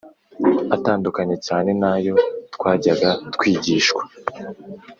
atandukanye cyane n’ayo twajyaga twigishwa